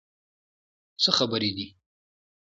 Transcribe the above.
څه خبرې دي؟